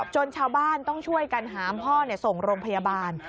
ชาวบ้านต้องช่วยกันหามพ่อส่งโรงพยาบาล